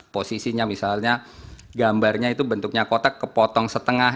posisinya misalnya gambarnya itu bentuknya kotak kepotong setengah